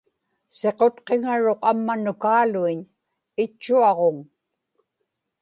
siqutqiŋaruq amma nukaaluiñ itchuaġuŋ